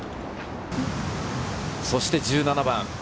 そして１７番。